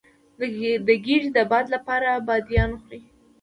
د ګیډې د باد لپاره بادیان وخورئ